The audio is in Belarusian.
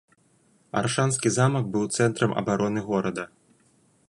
Аршанскі замак быў цэнтрам абароны горада.